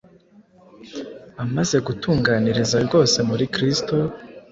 amaze gutunganiriza rwose muri Kristo: